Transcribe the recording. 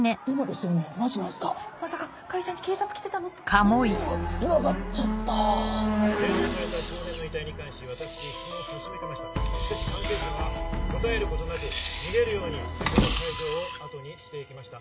しかし関係者は答えることなく逃げるようにこの会場を後にして行きました。